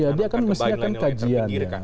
ya dia kan mestinya kan kajian ya